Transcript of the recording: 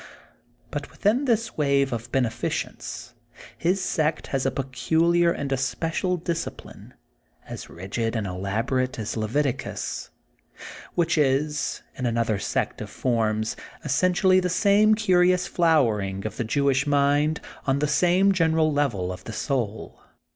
But withm this wave of beneficence his sect has a pecu liar and especial discipline, as rigid and elab orate as Leviticus, which is, in another set of forms, essentially the same curious flowering of the Jewish mind on the skme general level of the soul.